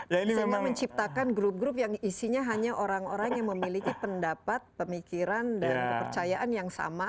selama menciptakan grup grup yang isinya hanya orang orang yang memiliki pendapat pemikiran dan kepercayaan yang sama